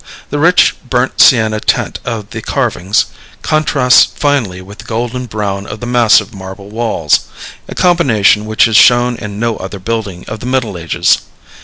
The rich burnt sienna tint of the carvings contrasts finely with the golden brown of the massive marble walls, a combination which is shown in no other building of the Middle Ages.